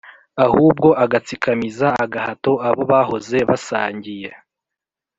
ahubwo agatsikamiza agahato abo bahoze bayasangiye